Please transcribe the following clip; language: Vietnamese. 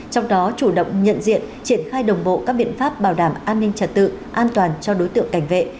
trong đó chủ động nhận diện triển khai đồng bộ các biện pháp bảo đảm an ninh trật tự an toàn cho đối tượng cảnh vệ